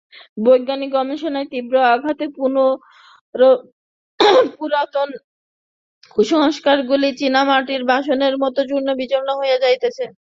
বৈজ্ঞানিক গবেষণার তীব্র আঘাতে পুরাতন কুসংস্কারগুলি চীনামাটির বাসনের মত চূর্ণ-বিচূর্ণ হইয়া যাইতেছিল।